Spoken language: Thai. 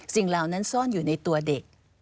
เหล่านั้นซ่อนอยู่ในตัวเด็ก